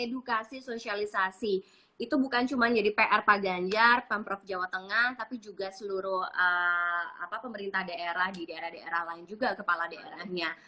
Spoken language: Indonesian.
ocupasi sosialisasi itu bukan cuma jadi pr pangan jar pemprov jawa tengah tapi juga seluruh apa pemerintah daerah gede adalah lain juga kepala daerah hanya